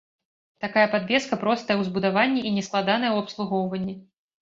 Такая падвеска простая ў збудаванні і не складаная ў абслугоўванні.